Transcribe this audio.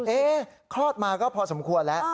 คลอดมาก็พอสมควรแล้ว